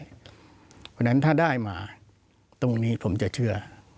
เพราะฉะนั้นถ้าได้มาตรงนี้ผมจะเชื่อ